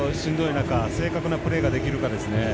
中正確なプレーができるかですね。